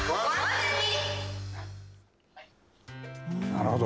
なるほど。